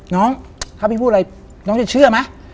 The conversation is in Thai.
น้องถ้าพี่พูดอะไรน้องจะเชื่อไหม